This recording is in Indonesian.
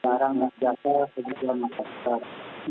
apa hal yang enak terjadi sekarang terjadi pada usaha pengaruh rakyat